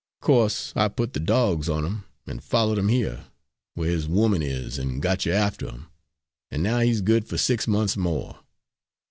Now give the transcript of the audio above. Course I put the dawgs on 'im, an' followed 'im here, where his woman is, an' got you after 'im, and now he's good for six months more."